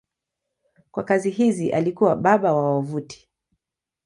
Kwa kazi hizi alikuwa baba wa wavuti.